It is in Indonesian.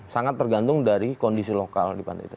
sangat tergantung dari kondisi lokal